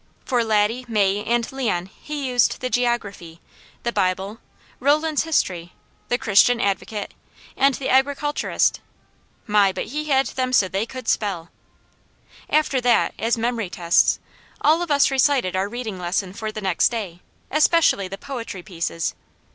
For Laddie, May and Leon he used the geography, the Bible, Roland's history, the Christian Advocate, and the Agriculturist. My, but he had them so they could spell! After that, as memory tests, all of us recited our reading lesson for the next day, especially the poetry pieces.